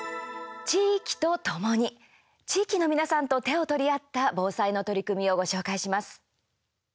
地域の皆さんと手を取り合った防災の取り組みをご紹介します。